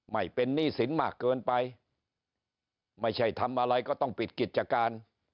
ไม่เป็นหนี้สินมากเกินไปไม่ใช่ทำอะไรก็ต้องปิดกิจการ